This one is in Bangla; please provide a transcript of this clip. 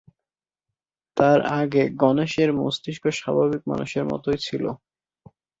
তার আগে গণেশের মস্তক স্বাভাবিক মানুষের মতোই ছিল।